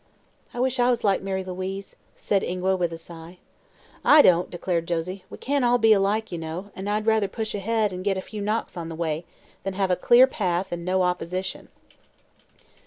"I wish I was like Mary Louise," said Ingua with a sigh. "I don't," declared Josie. "We can't all be alike, you know, and I'd rather push ahead, and get a few knocks on the way, then have a clear path and no opposition."